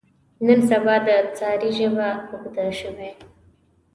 نن سبا د سارې ژبه اوږده شوې.